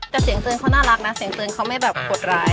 แต่เสียงเตือนเขาน่ารักนะเสียงเตือนเขาไม่แบบหดร้าย